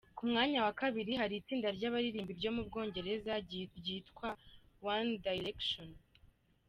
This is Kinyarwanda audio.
Ku mwanya wa kabiri hari itsinda ry’Abaririmbyi ryo mu Bwongereza ryitwa wani Dayirekishoni.